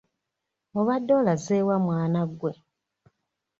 Obadde olazeewa mwana gwe?